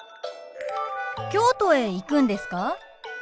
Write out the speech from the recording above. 京都へ行くんですか？